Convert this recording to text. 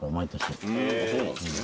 そうなんですね。